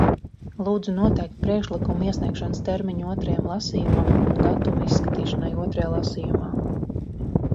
Lūdzu noteikt priekšlikumu iesniegšanas termiņu otrajam lasījumam un datumu izskatīšanai otrajā lasījumā!